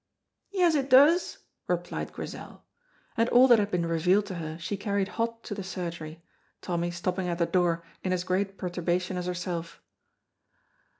"Yes, it does," replied Grizel, and all that had been revealed to her she carried hot to the surgery, Tommy stopping at the door in as great perturbation as herself.